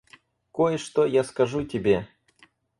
Кое-что я скажу тебе.